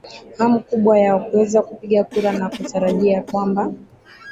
hamu kubwa ya kuweza kupiga kura na kutarajia kwamba